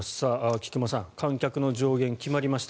菊間さん観客の上限が決まりました